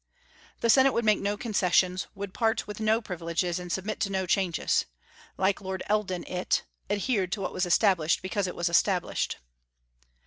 The Senate would make no concessions, would part with no privileges, and submit to no changes. Like Lord Eldon, it "adhered to what was established, because it was established."